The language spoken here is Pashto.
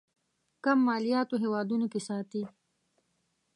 کم مالياتو هېوادونو کې ساتي.